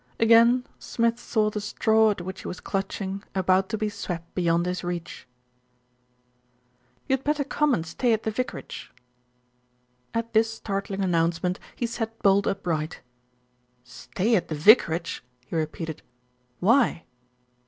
Again Smith saw the straw at which he was clutch ing about to be swept beyond his reach. "You had better come and stay at the vicarage." At this startling announcement, he sat bolt upright. "Stay at the vicarage!" he repeated. "Why?"